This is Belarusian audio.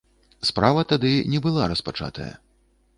Справа тады не была распачатая.